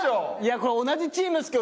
これ同じチームですけど。